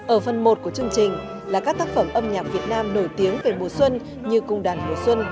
ở phần một của chương trình là các tác phẩm âm nhạc việt nam nổi tiếng về mùa xuân